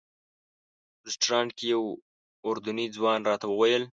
رسټورانټ کې یو اردني ځوان راته وویل.